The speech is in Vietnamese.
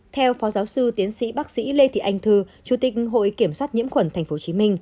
theo phó giáo sư tiến sĩ bác sĩ lê thị anh thư chủ tịch hội kiểm soát nhiễm khuẩn tp hcm